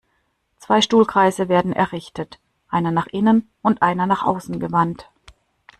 Zwei Stuhlkreise werden errichtet, einer nach innen und einer nach außen gewandt.